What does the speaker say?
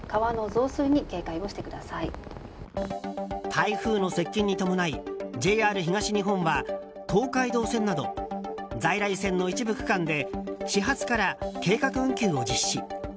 台風の接近に伴いＪＲ東日本は東海道線など在来線の一部区間で始発から計画運休を実施。